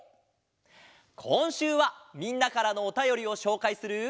こんしゅうはみんなからのおたよりをしょうかいする。